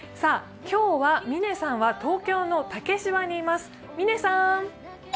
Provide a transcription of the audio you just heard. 今日は嶺さんは東京の竹芝にいます。